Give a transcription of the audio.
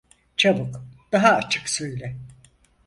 Çabuk, daha açık söyle…